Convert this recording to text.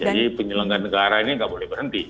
jadi penyelenggaraan negara ini tidak boleh berhenti